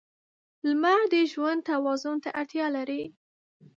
• لمر د ژوند توازن ته اړتیا لري.